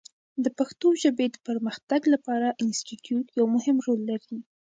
د پښتو ژبې د پرمختګ لپاره انسټیټوت یو مهم رول لري.